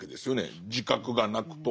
自覚がなくとも。